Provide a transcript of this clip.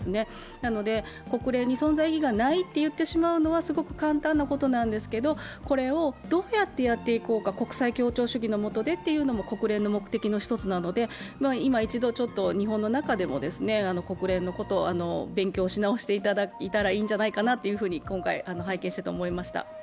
なので、国連に存在意義がないと言ってしまうのはすごく簡単なことですけどこれをどうやってやっていこうか、国際協調主義のもとでと、国連の目的の一つなので、いま一度日本の中でも国連のことを勉強し直していただいたらいいんじゃないかなと思いました。